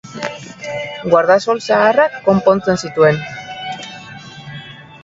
Guardasol zaharrak konpontzen zituen.